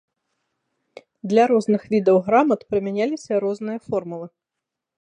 Для розных відаў грамат прымяняліся розныя формулы.